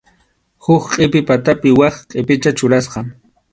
Huk qʼipi patapi wak qʼipicha churasqa.